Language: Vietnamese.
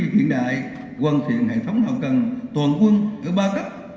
hiện đại hoàn thiện hệ thống hậu cần toàn quân ở ba cấp